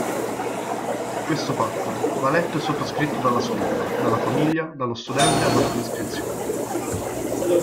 Questo patto va letto e sottoscritto dalla scuola, dalla famiglia, dallo studente all'atto di iscrizione.